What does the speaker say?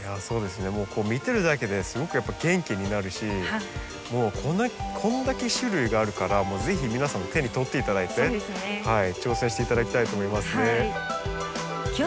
そうですねもう見てるだけですごくやっぱ元気になるしもうこんだけ種類があるからもう是非皆さんも手に取って頂いて挑戦して頂きたいと思いますね。